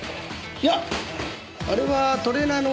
いやあれはトレーナーの石堂さん。